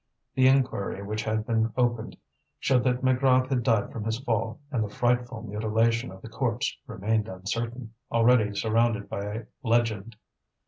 The inquiry which had been opened showed that Maigrat had died from his fall, and the frightful mutilation of the corpse remained uncertain, already surrounded by a legend.